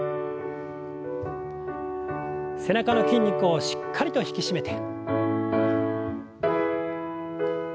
背中の筋肉をしっかりと引き締めて。